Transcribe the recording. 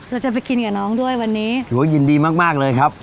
แล้วจะไปกินกับน้องด้วยวันนี้โหยืนดีมากเลยครับ